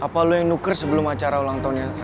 apa lo yang nuker sebelum acara ulang tahunnya